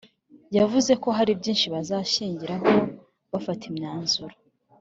Yavuze ko haribyishi bazashingiraho bafata imyanzuro